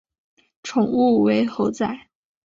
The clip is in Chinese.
宠物为猴仔。